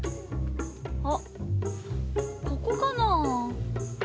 あっここかなぁ？